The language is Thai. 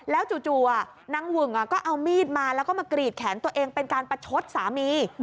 แล้วจู่นางหึ่งก็เอามีดมาแล้วก็มากรีดแขนตัวเองเป็นการประชดสามี